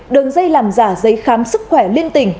đường dây làm giả dây khám sức khỏe liên tình